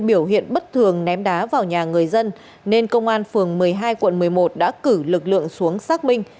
biểu hiện bất thường ném đá vào nhà người dân nên công an phường một mươi hai quận một mươi một đã cử lực lượng xuống xác minh